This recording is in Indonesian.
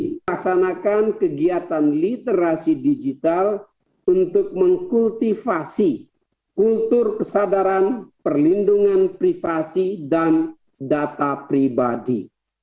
dan melaksanakan kegiatan literasi digital untuk mengkultivasi kultur kesadaran perlindungan privasi dan data pribadi